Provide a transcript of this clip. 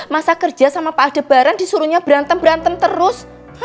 masa kerja sama pak adebaran disuruhnya berantem berantem terus